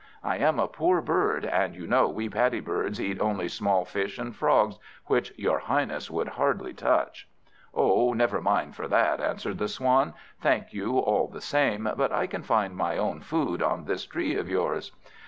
I am a poor bird, and you know we Paddy birds eat only small fish and frogs, which your highness would hardly touch." "Oh, never mind for that," answered the Swan; "thank you all the same, but I can find my own food on this tree of yours."